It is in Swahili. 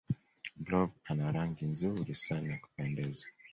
blob ana rangi nzuri sana ya kupendeza